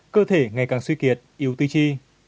cơ thể ngày càng suy kiệt yếu tư chi